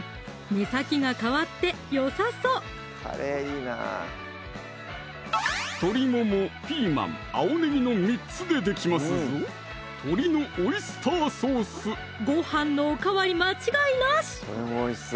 目先が変わってよさそう鶏もも・ピーマン・青ねぎの３つでできますぞごはんのおかわり間違いなし！